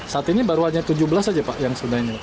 saat ini baru hanya tujuh belas saja pak yang sudah ini